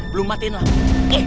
belum matiin lah